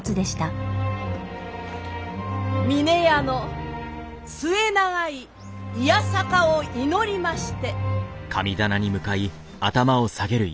峰屋の末永い弥栄を祈りまして！